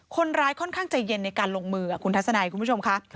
คนร้ายค่อนข้างใจเย็นในการลงมือคุณทัศนัยคุณผู้ชมค่ะ